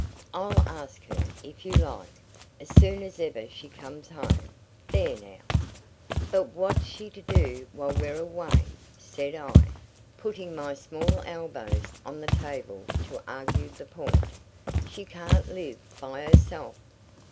I'll ask her, if you like, as soon as ever she comes home. There now!' 'But what's she to do while we're away?' said I, putting my small elbows on the table to argue the point. 'She can't live by herself.